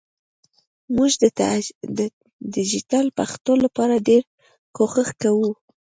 مونږ د ډیجېټل پښتو لپاره ډېر کوښښ کوو